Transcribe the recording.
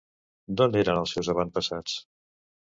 D'on eren els seus avantpassats?